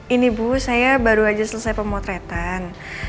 ini bu saya baru saja selesai pemotretan